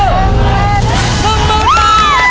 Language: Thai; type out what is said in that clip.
ซึ่งมือตา